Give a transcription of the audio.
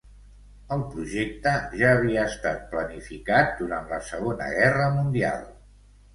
El projecte ja havia estat planificat durant la Segona Guerra Mundial.